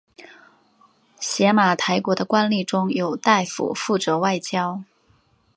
邪马台国的官吏中有大夫负责外交。